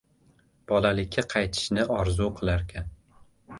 bolalikka qaytishni orzu qilarkan.